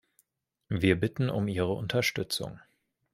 Wir bitten um Ihre Unterstützung.